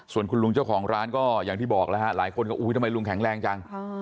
ส่วนคุณลุงเจ้าของร้านก็อย่างที่บอกแล้วฮะหลายคนก็อุ้ยทำไมลุงแข็งแรงจัง